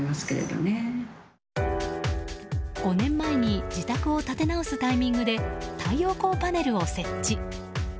５年前に自宅を建て直すタイミングで太陽光パネルを設置。